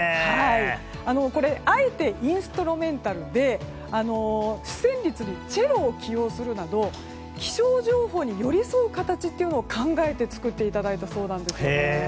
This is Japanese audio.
あえてインストゥルメンタルで主旋律にチェロを起用するなど気象情報に寄り添う形というのを考えて作っていただいたそうなんです。